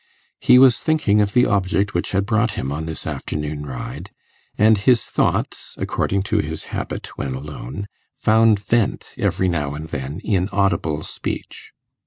He was thinking of the object which had brought him on this afternoon ride, and his thoughts, according to his habit when alone, found vent every now and then in audible speech.